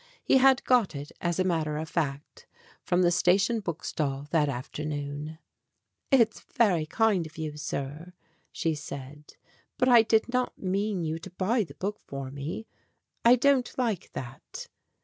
He had got it, as a matter of fact, from the station bookstall that after noon. "It is very kind of you, sir," she said; "but I did not mean you to buy the book for me. I don't like that."